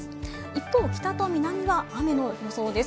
一方、北と南は雨の予想です。